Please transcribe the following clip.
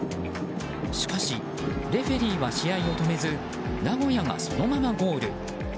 しかし、レフェリーは試合を止めず名古屋がそのままゴール。